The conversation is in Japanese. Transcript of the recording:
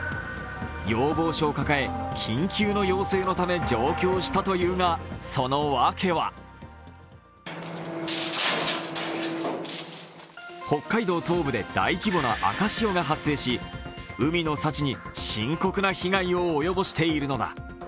要望書を抱え、緊急の要請のため上京したというが、そのわけは北海道東部で大規模な赤潮が発生し海の幸に深刻な被害を及ぼしているのだ。